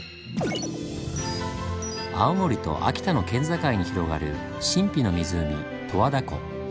青森と秋田の県境に広がる神秘の湖十和田湖。